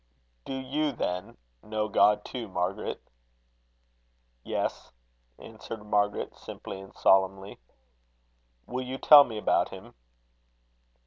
"Do you, then, know God too, Margaret?" "Yes," answered Margaret, simply and solemnly. "Will you tell me about him?"